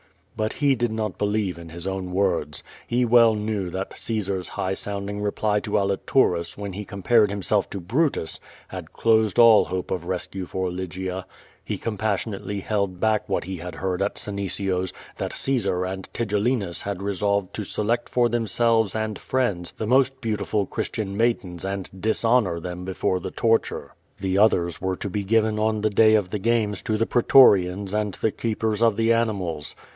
But he did not believe in his own words. He well knew that Caesar's high sounding reply to Aliturus when he com pared himself to Brutus had closed all hope of rescue for Ly gia. He compassionately held l)ack what he had heard at Senecio's, that Caesar and Tigellinus had resolved to select for themselves and friends the most beautiful Christian nicnid ens and dishonor them before the torture. The others were to be given on the day of the games to the pretorians aiul the keepers of the animals.